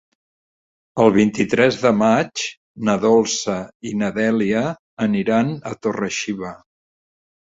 El vint-i-tres de maig na Dolça i na Dèlia aniran a Torre-xiva.